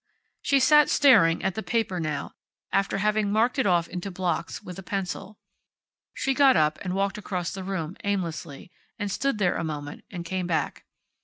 She sat staring at the paper now, after having marked it off into blocks, with a pencil. She got up, and walked across the room, aimlessly, and stood there a moment, and came back.